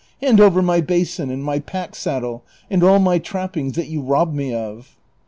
hand over my basin and my pack saddle, and all my trappings that you robbed me of."